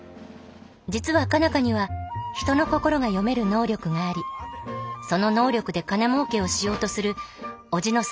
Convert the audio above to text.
実は佳奈花には人の心が読める能力がありその能力で金もうけをしようとする叔父の沢田に追われていた。